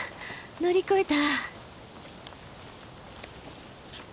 乗り越えた。